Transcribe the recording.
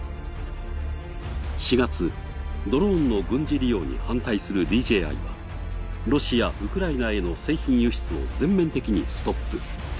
４月、ドローンの軍事利用に反対するＤＪＩはロシア、ウクライナへの製品輸出を全面的に停止。